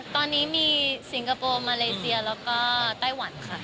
ตอนนี้มีสิงคโปร์มาเลเซียแล้วก็ไต้หวันค่ะ